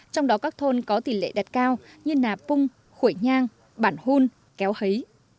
trong đó các thôn có tỷ lệ đạt cao như nạp khuẩy nhang bản hôn kéo hấy